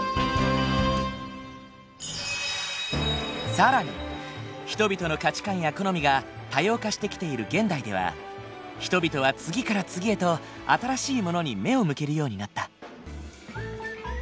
更に人々の価値観や好みが多様化してきている現代では人々は次から次へと新しいものに目を向けるようになった。